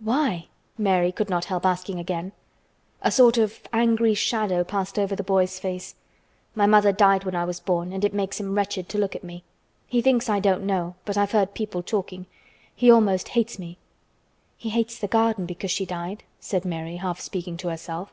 "Why?" Mary could not help asking again. A sort of angry shadow passed over the boy's face. "My mother died when I was born and it makes him wretched to look at me. He thinks I don't know, but I've heard people talking. He almost hates me." "He hates the garden, because she died," said Mary half speaking to herself.